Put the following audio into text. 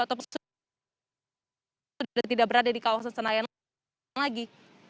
atau sudah tidak berada di kawasan senayan lagi